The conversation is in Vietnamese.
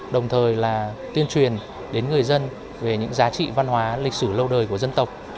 đồng thời là tuyên truyền đến người dân về những giá trị văn hóa lịch sử lâu đời của dân tộc